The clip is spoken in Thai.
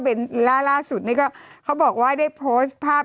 เบลล่าล่าสุดนี้ก็เขาบอกว่าได้โพสต์